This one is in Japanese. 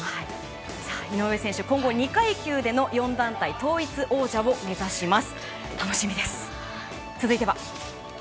井上選手、今後２階級での４団体統一王者を目指します。